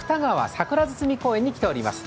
桜堤公園に来ています。